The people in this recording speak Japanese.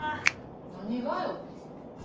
何がよ？